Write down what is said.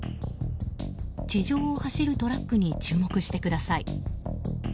地上を走るトラックに注目してください。